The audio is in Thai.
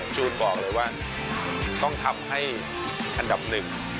จู๊ดบอกเลยว่าต้องทำให้อันดับหนึ่ง